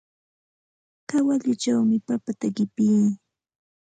Kawalluchawmi papata qipii.